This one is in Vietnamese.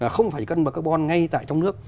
không phải cân bằng carbon ngay tại trong nước